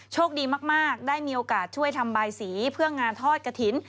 โชคดีมากได้มีโอกาสช่วยทำบายสีเพื่องานทอดกระถิ่น